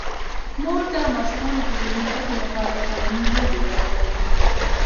مور د ماشومانو د ذهني ودې لپاره تعلیمي لوبې برابروي.